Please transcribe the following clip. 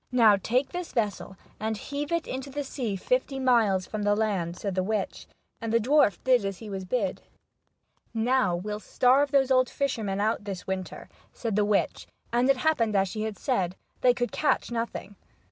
" Now take this vessel, and heave it into the sea fifty miles from the land," said the witch, and the dwarf did as he was bid. "Now we'll starve those old fishermen out this The Fishermen of Shetland. 7 1 winter," said the witch ; and it happened as she had said they could catch nothing.